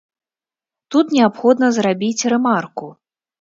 Тут неабходна зрабіць рэмарку.